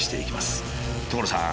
所さん！